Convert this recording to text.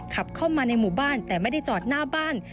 ขับเข้ามาในหมู่บ้านแต่ไม่ได้จอดหน้าบ้าน